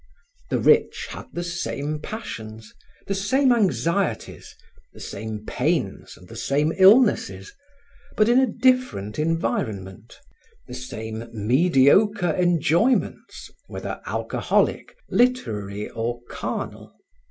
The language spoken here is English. The rich had the same passions, the same anxieties, the same pains and the same illnesses, but in a different environment; the same mediocre enjoyments, whether alcoholic, literary or carnal.